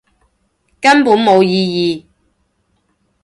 根本冇意義